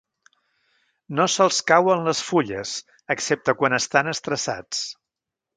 No se'ls cauen les fulles excepte quan estan estressats.